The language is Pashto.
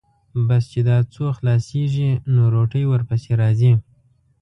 بس چې دا څو خلاصېږي، نو روټۍ ورپسې راځي.